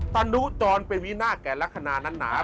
ตนุจรเป็นวินาศแก่ลักษณะนั้นหนา